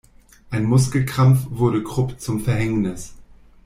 Ein Muskelkrampf wurde Krupp zum Verhängnis.